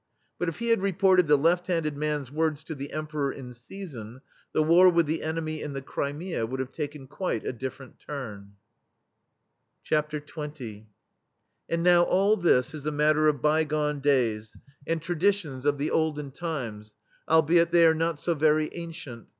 But if he had reported the left handed man's words to the Emperor in season, the war with the enemy in the Crimea would have taken quite a different turn. XX And now all this is "a matter of by gone days" and "traditions of the olden THE STEEL FLEA times/' albeit they are not so very an cient.